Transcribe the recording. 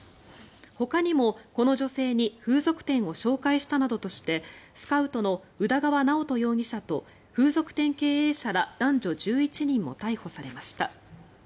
ほかにも、この女性に風俗店を紹介したなどとしてスカウトの宇田川直人容疑者と風俗店経営者ら男女１１人も逮捕されました。